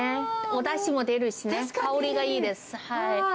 おだしも出るしね、香りがいいです。